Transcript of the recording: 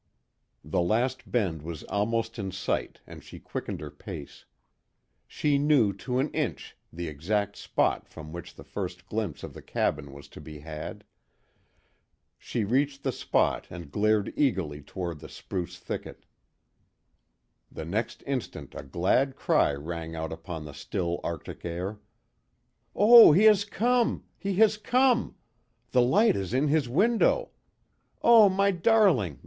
The last bend was almost in sight and she quickened her pace. She knew to an inch, the exact spot from which the first glimpse of the cabin was to be had. She reached the spot and stared eagerly toward the spruce thicket. The next instant a glad cry rang out upon the still Arctic air. "Oh, he has come! He has come! The light is in his window! Oh, my darling!